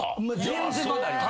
全然まだあります。